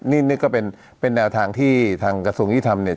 นี่ก็เป็นแนวทางที่ทางกระทรวงยุติธรรมเนี่ย